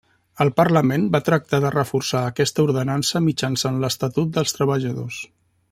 El Parlament va tractar de reforçar aquesta Ordenança mitjançant l'Estatut dels Treballadors.